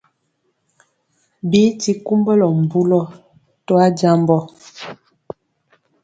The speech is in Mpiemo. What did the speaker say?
Bi ti kumbulɔ mbulɔ to ajambɔ.